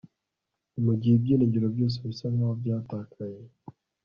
ni mugihe ibyiringiro byose bisa nkaho byatakaye